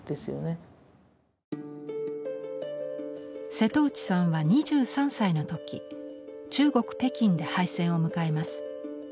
瀬戸内さんは、２３歳のとき中国・北京で敗戦を迎えます。